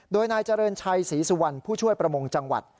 โดยนายเจริญชัยศรีสุวรรณผู้ช่วยประมงจังหวัด